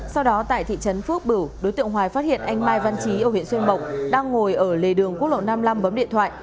sau đó tại thị trấn phước bửu đối tượng hoài phát hiện anh mai văn trí ở huyện xuyên mộc đang ngồi ở lề đường quốc lộ năm mươi năm bấm điện thoại